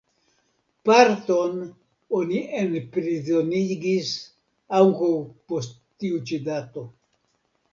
Parton oni enprizonigis ankoraŭ post tiu ĉi dato.